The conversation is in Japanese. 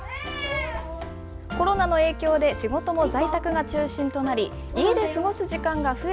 コロナの影響で、仕事も在宅が中心となり、家で過ごす時間が増え